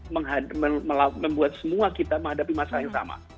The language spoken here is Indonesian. membuat semua kita menghadapi masalah yang sama